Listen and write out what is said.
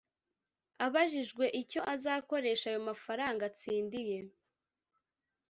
Abajijwe icyo azakoresha ayo mafaranga atsindiye